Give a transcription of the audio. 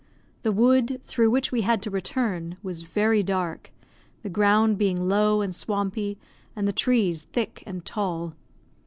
The wood, through which we had to return, was very dark; the ground being low and swampy, and the trees thick and tall.